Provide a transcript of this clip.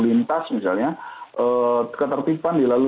lintas misalnya ketertiban dilalu